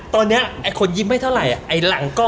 ตอนนี้คนยิ้มให้เท่าไร